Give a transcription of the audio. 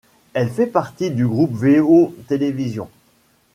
Elle fait partie du groupe Veo Televisión.